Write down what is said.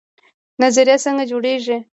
نظریه څنګه جوړیږي؟